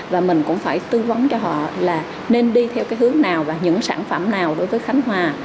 và mình cũng phải tư vấn cho họ là nên đi theo cái hướng nào và những sản phẩm nào đối với khánh hòa